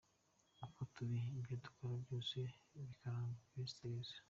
Uko turi, ibyo dukora byose bikaranga Kristu Yezu.